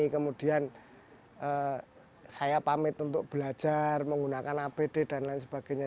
kemudian saya pamit untuk belajar menggunakan apd dan lain sebagainya